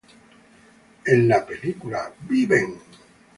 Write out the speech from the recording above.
En la película "¡Viven!